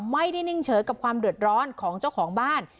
นิ่งเฉยกับความเดือดร้อนของเจ้าของบ้าน